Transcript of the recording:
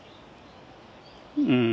うん。